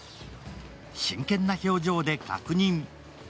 真剣な表情で確認。